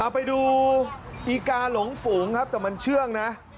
ไปดูอีกาหลงฝูงครับแต่มันเชื่องนะ